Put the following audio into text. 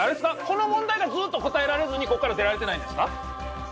この問題がずっと答えられずにここから出られてないんですか？